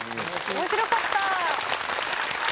面白かった。